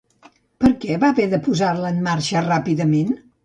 Per què va haver de posar-la en marxa ràpidament?